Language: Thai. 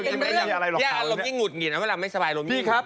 เนี่ยอันนี่มันหงุดหงิดอ่าเวลาไม่สบายอบมืายเหรอ